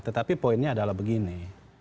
tetapi poinnya adalah begini